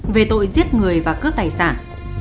về tội giết người và cướp tài sản